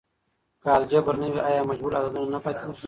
که الجبر نه وي، آیا مجهول عددونه نه پاتیږي؟